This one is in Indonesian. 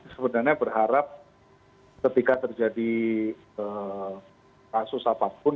sebenarnya berharap ketika terjadi kasus apapun